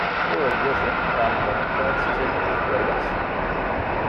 I urgaz-im? iɛemmed-am akka ad tettalliḍ di tkerwas ?